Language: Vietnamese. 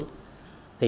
thì tôi thích nghĩ